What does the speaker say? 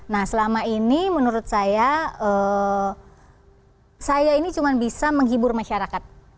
nah selama ini menurut saya saya ini cuma bisa menghibur masyarakat